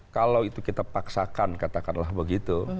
kalau itu kita paksakan katakanlah begitu